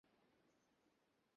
এতো কথাই বা কীসের জন্য, ধরো একে!